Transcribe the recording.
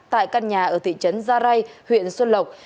tại căn nhà ở thị trấn gia rai huyện xuân lộc